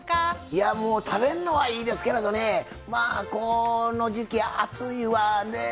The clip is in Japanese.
いやもう食べんのはいいですけれどねまあこの時期暑いわねえ